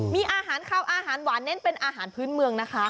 มีอาหารข้าวอาหารหวานเน้นเป็นอาหารพื้นเมืองนะคะ